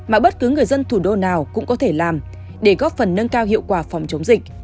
mà bất cứ người dân thủ đô nào cũng có thể làm để góp phần nâng cao hiệu quả phòng chống dịch